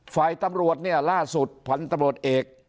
ฝ่ายตำรวจเนี่ยล่าสุดพันธุ์ตำรวจเอก